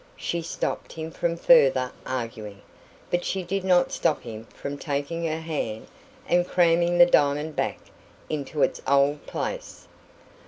She stopped him from further arguing; but she did not stop him from taking her hand and cramming the diamond back into its old place.